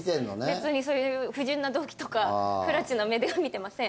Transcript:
別にそういう不純な動機とか不埒な目では見てません。